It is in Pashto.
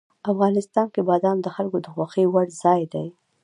افغانستان کې بادام د خلکو د خوښې وړ یو ځای دی.